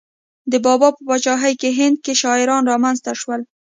د بابا په پاچاهۍ کې هند کې شاعران را منځته شول.